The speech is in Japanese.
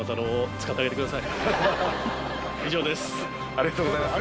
ありがとうございます。